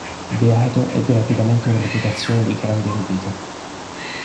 Beato ebbe rapidamente una reputazione di grande erudito.